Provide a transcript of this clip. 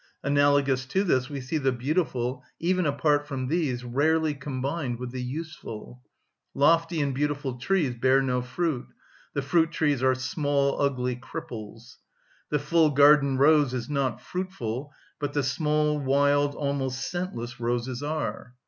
Analogous to this, we see the beautiful, even apart from these, rarely combined with the useful. Lofty and beautiful trees bear no fruit; the fruit‐trees are small, ugly cripples. The full garden rose is not fruitful, but the small, wild, almost scentless roses are.